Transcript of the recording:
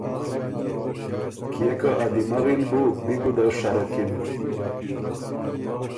کيې که ا دِمغی ن بُو بی ګُده شرکِن۔